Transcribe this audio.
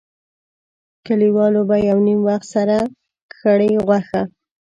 کلیوالو به یو نیم وخت سره کړې غوښه.